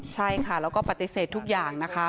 ใช่ค่ะแล้วก็ปฏิเสธทุกอย่างนะคะ